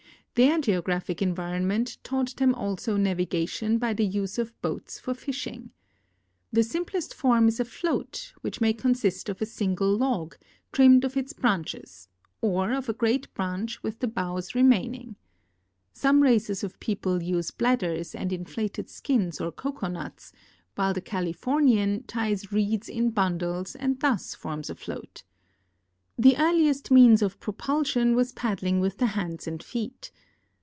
Their geographic environment taught them also navigation by the use of boats for fishing. The simplest form is a float, which may consist of a single log, trimmed of its branches, or of a great branch with the boughs remaining. Some races of people use bladders and inflated skins or cocoanuts, while the Californian ties reeds in bundles and thus forms a float. The earliest means of propulsion was paddling with the hands and feet.